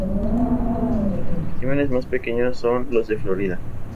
Los especímenes más pequeños son los de Florida.